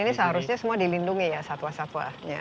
dan ini seharusnya semua dilindungi ya satwa satwanya